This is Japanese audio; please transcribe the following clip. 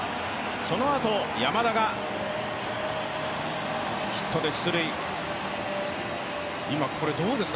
そのあと山田がヒットで出塁、今、どうですか？